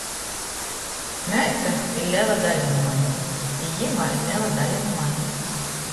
Meita ir lela daļa nu mane, i jimā ir lela daļa nu mane.